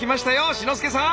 志の輔さん！